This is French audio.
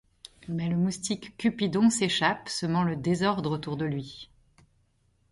Mais le moustique Cupidon s’échappe semant le désordre autour de lui.